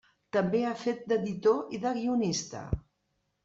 També ha fet d'editor i de guionista.